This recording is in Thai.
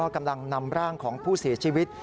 กำลังนำร่างของผู้เสียชีวิต